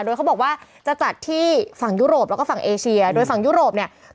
โดยเขาบอกว่าจะจัดที่ฝั่งยุโรปแล้วก็ฝั่งเอเชียโดยฝั่งยุโรปเนี่ย